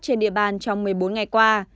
trên địa bàn trong một mươi bốn ngày qua